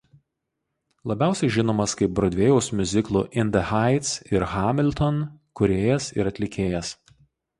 Labiausiai žinomas kaip Brodvėjaus miuziklų „In the Heights“ ir „Hamilton“ kūrėjas ir atlikėjas.